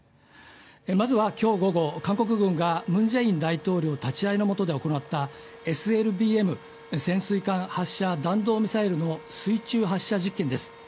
まずは今日午後、韓国軍がムン・ジェイン大統領立ち会いのもとで行ったＳＬＢＭ＝潜水艦発射弾道ミサイルの水中発射実験です。